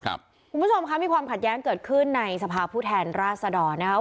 คุณผู้ชมค่ะมีความขัดแย้งเกิดขึ้นในสภาพผู้แทนราษดรนะครับ